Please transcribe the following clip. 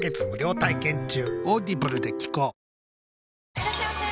いらっしゃいませ！